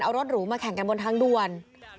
เอารถหรูมาแข่งกันบนทางด่วน